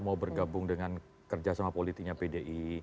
mau bergabung dengan kerja sama politiknya pdi